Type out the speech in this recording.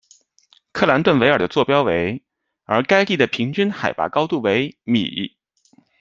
克兰顿维尔的座标为，而该地的平均海拔高度为米。